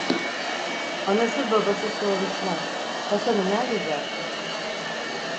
Anası babası sormuşlar: 'Hasan'ı nerde bıraktın?'